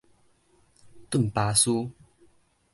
頓巴斯